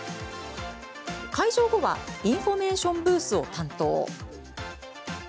開場後はインフォメーションブースを担当。